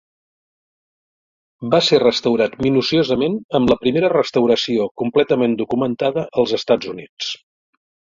Va ser restaurat minuciosament en la primera restauració completament documentada als Estats Units.